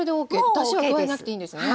だしは加えなくていいんですね？